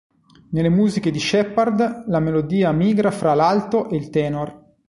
Nelle musiche di Sheppard la melodia migra fra l"'alto" e il "tenor".